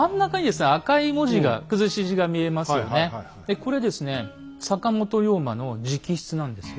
これですね坂本龍馬の直筆なんですよ。